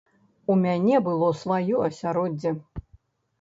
У мяне было сваё асяроддзе.